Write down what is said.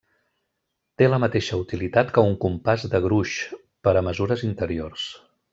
Té la mateixa utilitat que un compàs de gruix, per a mesures interiors.